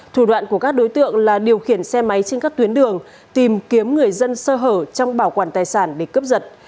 thủ đoạn của các đối tượng là điều khiển xe máy trên các tuyến đường tìm kiếm người dân sơ hở trong bảo quản tài sản để cướp giật